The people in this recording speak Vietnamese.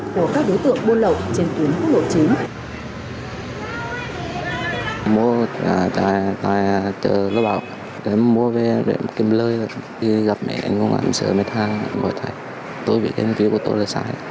của các đối tượng buôn lậu trên tuyến quốc lộ chín